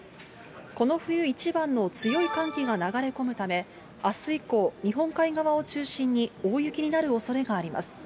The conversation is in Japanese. この冬一番の強い寒気が流れ込むため、あす以降、日本海側を中心に大雪になるおそれがあります。